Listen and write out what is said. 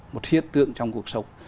một hiện tượng trong cuộc sống